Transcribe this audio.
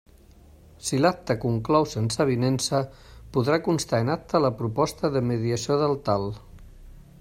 Si l'acte conclou sense avinença, podrà constar en acta la proposta de mediació del TAL.